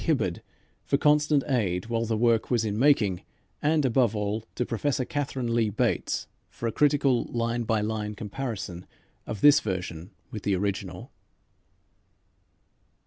Hibbard, for constant aid while the work was in making, and, above all, to Professor Katharine Lee Bates for a critical, line by line, comparison of this version with the original.